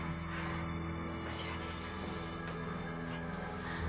こちらです